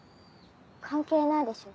関係ないでしょ